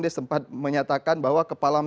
dia sempat menyatakan bahwa